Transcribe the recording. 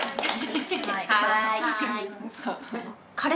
はい。